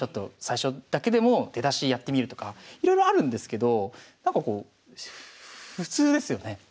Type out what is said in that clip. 最初だけでも出だしやってみるとかいろいろあるんですけどなんかこう普通ですよね。